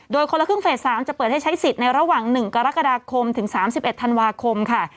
โดยคนละครึ่งเฟส๓จะเปิดให้ใช้สิทธิ์ในระหว่าง๑กรกฎาคมถึง๓๑ธันวาคมค่ะ